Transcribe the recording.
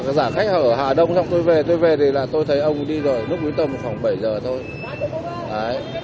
chờ giả khách ở hà đông xong tôi về tôi về thì tôi thấy ông đi rồi lúc nguyên tâm khoảng bảy giờ thôi